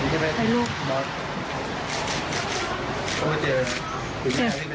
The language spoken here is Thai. จุดที่สาม